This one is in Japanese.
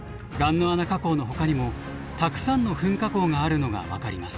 雁ノ穴火口のほかにもたくさんの噴火口があるのが分かります。